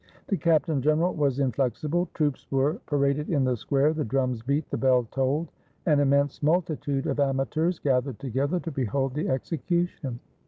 The captain general was inflexible; troops were pa 472 THE GOVERNOR AND THE NOTARY raded in the square; the drums beat, the bell tolled. An immense multitude of amateurs gathered together to behold the execution.